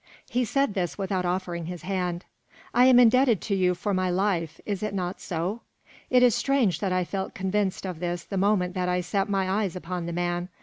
He said this without offering his hand. "I am indebted to you for my life. Is it not so?" It is strange that I felt convinced of this the moment that I set my eyes upon the man.